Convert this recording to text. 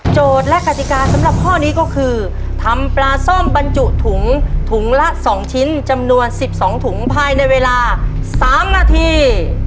และกติกาสำหรับข้อนี้ก็คือทำปลาส้มบรรจุถุงถุงละ๒ชิ้นจำนวน๑๒ถุงภายในเวลา๓นาที